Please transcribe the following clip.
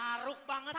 maruk banget ya